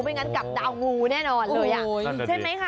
ไม่อย่างนั้นกลับดาวงูแน่นอนอย่างนี้เกิดแรงไหมคะ